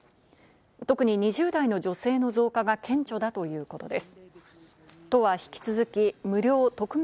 特に２０代の女性の増加が顕著だということです。